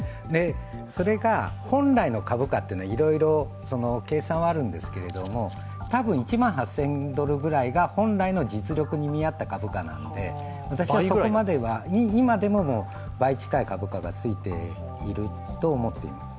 それが本来の株価っていろいろ計算はあるんですけども多分、１万８０００ドルくらいが本来の実力に見合った株価なので私はそこまでは、今でも倍近い株価がついていると思っています。